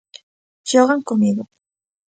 Xogan co medo.